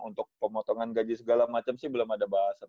untuk pemotongan gaji segala macam sih belum ada bahasan